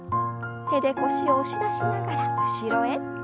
手で腰を押し出しながら後ろへ。